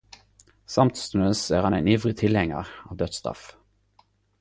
Samstundes er han ein ivrig tilhengjar av dødsstraff.